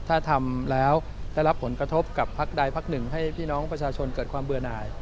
ถ้าทำแล้วได้รับผลกระทบกับพักใดพักหนึ่งให้พี่น้องประชาชนเกิดความเบื่อหน่าย